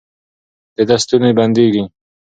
د ده ستونی بندېږي.